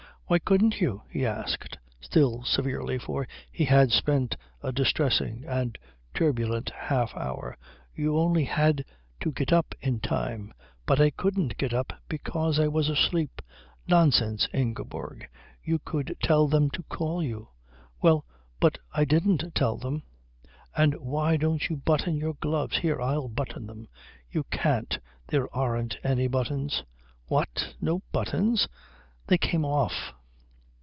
"Why couldn't you?" he asked, still severely, for he had spent a distressing and turbulent half hour. "You only had to get up in time." "But I couldn't get up because I was asleep." "Nonsense, Ingeborg. You could tell them to call you." "Well, but I didn't tell them." "And why don't you button your gloves? Here I'll button them." "You can't. There aren't any buttons." "What? No buttons?" "They came off."